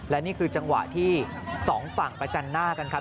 และนี่คือจังหวะที่สองฝั่งประจันหน้ากันครับ